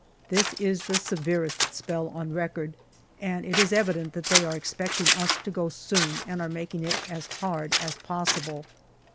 This is the severest spell on record, and it is evident that they are expecting us to go soon and are making it as hard as possible.